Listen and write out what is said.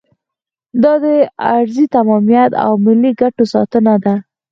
دا د ارضي تمامیت او ملي ګټو ساتنه ده.